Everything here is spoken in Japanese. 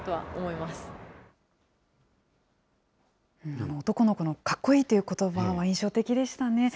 あの男の子のかっこいいということばは印象的でしたね。